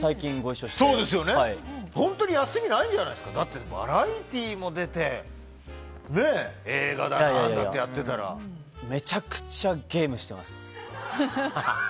本当に休みがないんじゃないですかバラエティーも出て映画だったりめちゃくちゃゲームしてます。